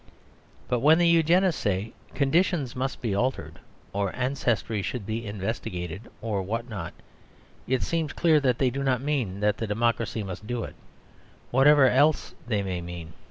But when the Eugenists say, "Conditions must be altered" or "Ancestry should be investigated," or what not, it seems clear that they do not mean that the democracy must do it, whatever else they may mean.